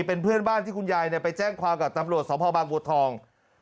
เป็นเพื่อนบ้านที่คุณยายไปแจ้งความกับตำรวจสภบางบัวทอง